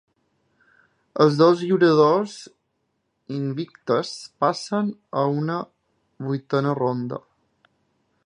Els dos lluitadors invictes passen a una vuitena ronda.